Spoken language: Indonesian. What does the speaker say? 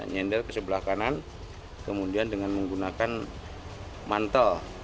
nyender kesebelah kanan kemudian dengan menggunakan mantel